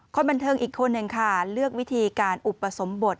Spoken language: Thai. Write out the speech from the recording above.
คนบันเทิงอีกคนหนึ่งค่ะเลือกวิธีการอุปสมบท